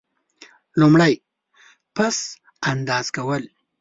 لومړی: پس انداز کول.